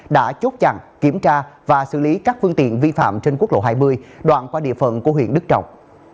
đã chốt chặn kiểm tra và xử lý các phương tiện vi phạm trên quốc lộ hai mươi đoạn qua địa phận của huyện đức trọng